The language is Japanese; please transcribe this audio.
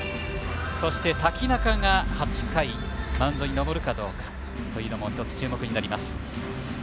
そして瀧中が８回マウンドに上るかどうかも一つ、注目になります。